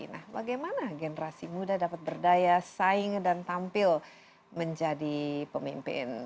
nah bagaimana generasi muda dapat berdaya saing dan tampil menjadi pemimpin